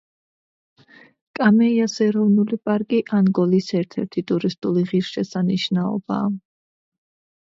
კამეიას ეროვნული პარკი ანგოლის ერთ-ერთი ტურისტული ღირსშესანიშნაობაა.